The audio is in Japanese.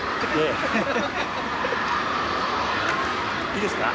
いいですか？